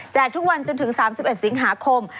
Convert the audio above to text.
ทุกวันจนถึง๓๑สิงหาคม